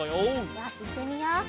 よしいってみよう。